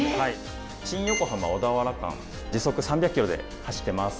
新横浜・小田原間時速３００ｋｍで走ってます。